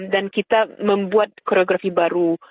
dan kita membuat koreografi baru